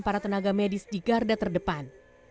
para tenaga medis di garda terdepan